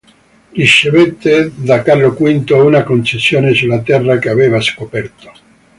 Ricevette da Carlo V una concessione sulla terra che aveva scoperto.